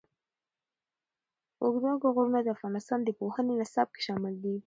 اوږده غرونه د افغانستان د پوهنې نصاب کې شامل دي.